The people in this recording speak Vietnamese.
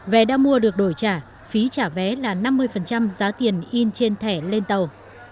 vé đã mua được đổi trả phí trả vé là năm mươi giá tiền in trên thẻ lên tàu